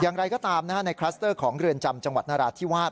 อย่างไรก็ตามในคลัสเตอร์ของเรือนจำจังหวัดนราธิวาส